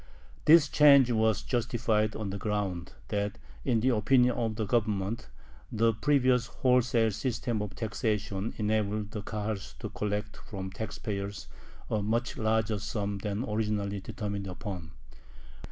This change was justified on the ground that, in the opinion of the Government, the previous wholesale system of taxation enabled the Kahals to collect from the tax payers a much larger sum than originally determined upon.